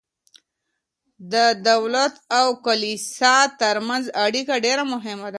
د دولت او کلیسا ترمنځ اړیکه ډیره مهمه ده.